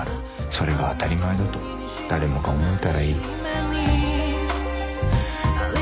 「それが当たり前だと誰もが思えたらいい」